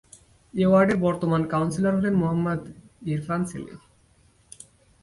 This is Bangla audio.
এ ওয়ার্ডের বর্তমান কাউন্সিলর হলেন মোহাম্মদ ইরফান সেলিম।